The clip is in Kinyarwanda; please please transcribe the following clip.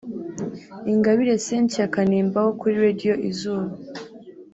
Ingabire Cynthia Kanimba wo kuri Radio Izuba